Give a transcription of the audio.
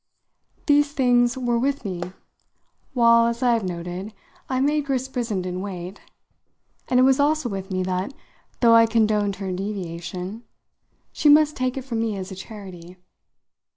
These things were with me while, as I have noted, I made Grace Brissenden wait, and it was also with me that, though I condoned her deviation, she must take it from me as a charity.